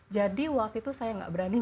jadi waktu itu saya nggak berani mencari